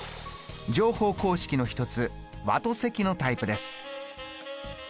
乗法公式の１つ和と積のタイプです。